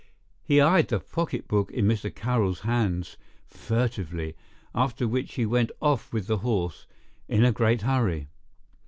He eyed the pocketbook in Mr. Carroll's hands furtively, after which he went off with the horse in a great hurry.